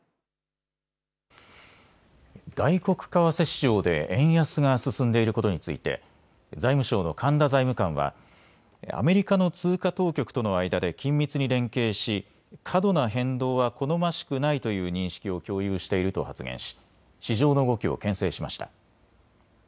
外国為替市場で円安が進んでいることについて財務省の神田財務官はアメリカの通貨当局との間で緊密に連携し過度な変動は好ましくないという認識を共有していると発言し市場の動きをけん制しました。